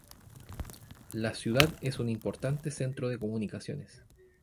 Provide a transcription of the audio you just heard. La ciudad es un importante centro de comunicaciones.